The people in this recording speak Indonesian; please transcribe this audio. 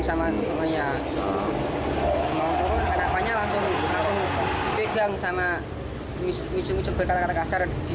sama semuanya mau turun anaknya langsung langsung dipegang sama misu misu berkata kata kasar di